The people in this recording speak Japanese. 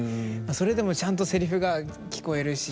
それでもちゃんとセリフが聞こえるし。